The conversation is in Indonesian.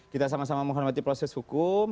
kita sama sama menghormati proses hukum